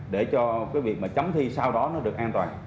để cho cái việc mà chấm thi sau đó nó được an toàn